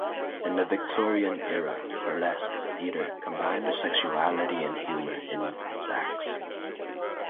In the Victorian era, Burlesque theatre combined sexuality and humour in its acts.